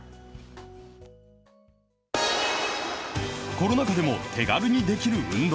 コロナ禍でも手軽にできる運動。